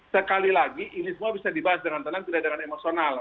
sekali lagi ini semua bisa dibahas dengan tenang tidak dengan emosional